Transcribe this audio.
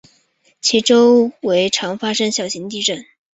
其周围常发生小型地震。